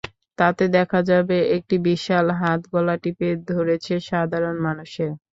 তাতে দেখা যাবে একটি বিশাল হাত গলা টিপে ধরেছে সাধারণ মানুষের।